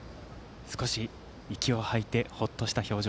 少し、息を吐いてほっとした表情。